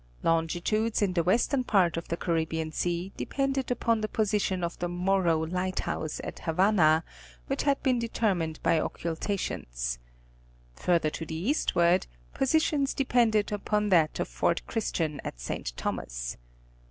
Longitudes in, the western part of the Caribbean Sea depended upon the position of the Morro light house at Havana, which had been determined by occultations. Further to the eastward, positions depended upon that of Fort Christian at St. Thomas.